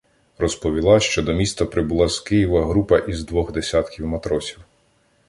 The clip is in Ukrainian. Розповіла, що до міста прибула з Києва група із двох десятків матросів.